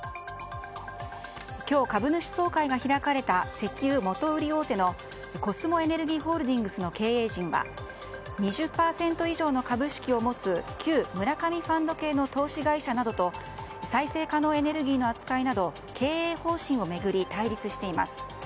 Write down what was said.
今日、株主総会が開かれた石油元売り大手のコスモエネルギーホールディングスの経営陣は２０％以上の株式を持つ旧村上ファンド系の投資会社などと再生可能エネルギーの扱いなど経営方針を巡り対立しています。